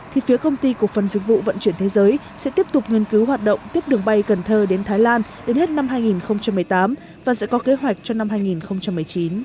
thì phía công ty cổ phần dịch vụ vận chuyển thế giới sẽ tiếp tục nghiên cứu hoạt động tiếp đường bay cần thơ đến thái lan đến hết năm hai nghìn một mươi tám và sẽ có kế hoạch cho năm hai nghìn một mươi chín